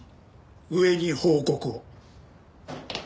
上に報告を。